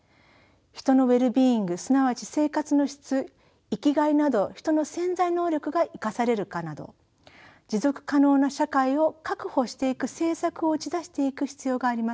人のウェルビーイングすなわち生活の質生きがいなど人の潜在能力が生かされるかなど持続可能な社会を確保していく政策を打ち出していく必要があります。